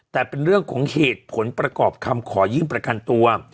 แต่เป็นเรื่องของเหตุผลประกอบคำขอยื่นประกันตัว